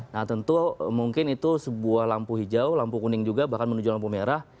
nah tentu mungkin itu sebuah lampu hijau lampu kuning juga bahkan menuju lampu merah